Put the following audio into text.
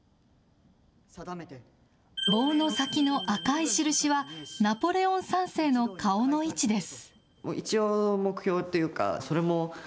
棒の先の赤い印は、ナポレオン３世の顔の位置です。